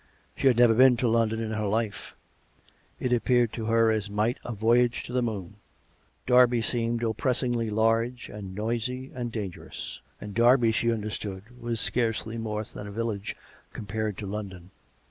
She had never been to London in her life; it appeared to her as might a voyage to the moon. Derby seemed oppressingly large and noisy and danger ous; and Derby, she understood, was scarcely more than a village compared to London.